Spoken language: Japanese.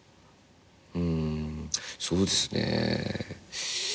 うんそうですね。